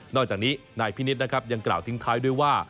อกจากนี้นายพินิษฐ์นะครับยังกล่าวทิ้งท้ายด้วยว่า